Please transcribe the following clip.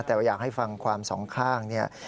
แต่ว่าอยากให้ฟังความสองข้างเนี่ย